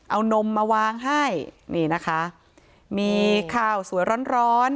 เอานมมาวางให้มีข้าวสวยร้อน